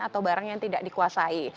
atau barang yang tidak dikuasai